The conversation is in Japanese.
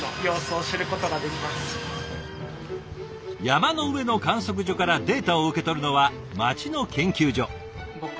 山の上の観測所からデータを受け取るのは街の研究所。